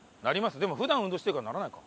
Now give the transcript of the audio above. でも普段運動してるからならないか。